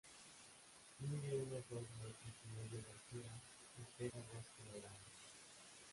Mide unos dos metros y medio de altura y pesa dos kilogramos.